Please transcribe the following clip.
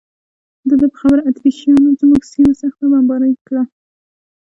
د ده په خبره اتریشیانو زموږ سیمه سخته بمباري کړې.